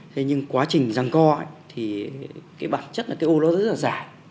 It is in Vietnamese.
thế nhưng quá trình rằng co thì cái bản chất là cái ô nó rất là rải